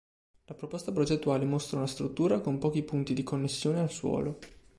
La proposta progettuale mostra una struttura con pochi punti di connessione al suolo.